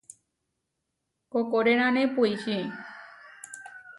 Koʼkorenane puičí.